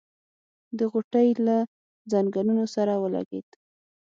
د غوټۍ له ځنګنو سره ولګېد.